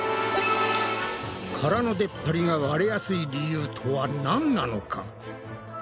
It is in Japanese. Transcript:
殻のでっぱりが割れやすい理由とはなんなのか？